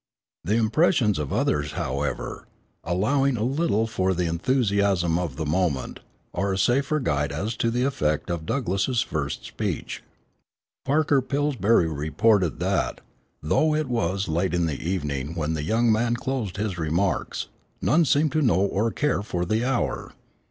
The impressions of others, however, allowing a little for the enthusiasm of the moment, are a safer guide as to the effect of Douglass's first speech. Parker Pillsbury reported that, "though it was late in the evening when the young man closed his remarks, none seemed to know or care for the hour....